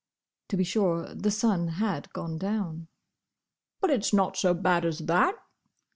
To be sure, the sun had gone down. "But it's not so bad as that?"